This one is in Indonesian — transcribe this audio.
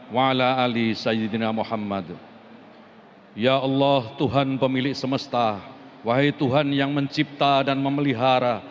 wahai tuhan yang mencipta dan memelihara